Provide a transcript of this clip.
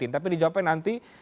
tapi di jawabnya nanti